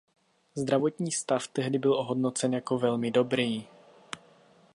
Zdravotní stav tehdy hodnocen jako velmi dobrý.